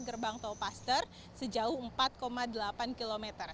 gerbang tol paster sejauh empat delapan km